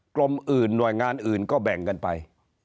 กรมอื่นหน่วยงานอื่นก็แบ่งกันไป